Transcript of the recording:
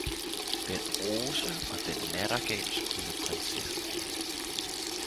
Den Rose og den Nattergal skulde Prindsessen have.